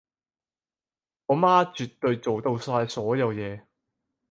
我媽絕對做到晒所有嘢